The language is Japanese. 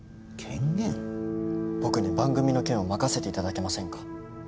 僕に番組の件を任せて頂けませんか？